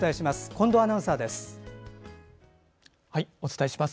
近藤アナウンサーです。